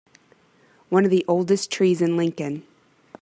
One of the oldest trees in Lincoln.